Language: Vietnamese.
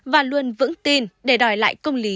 và luôn vững tin để đòi lại công lý